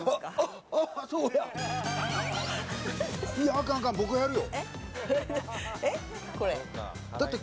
あかん、あかん、僕がやるよ。